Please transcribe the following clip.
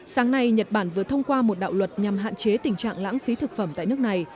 sáng nay nhật bản vừa thông qua một đạo luật nhằm hạn chế tình trạng lãng phí thực phẩm tại nước này